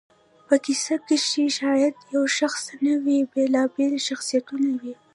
په کیسه کښي شاید یو شخص نه وي، بېلابېل شخصیتونه وي.